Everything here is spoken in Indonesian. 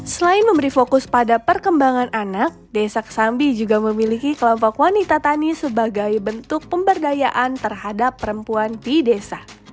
selain memberi fokus pada perkembangan anak desa kesambi juga memiliki kelompok wanita tani sebagai bentuk pemberdayaan terhadap perempuan di desa